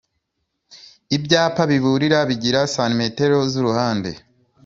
Ibyapa biburira bigira santimetero z'uruhande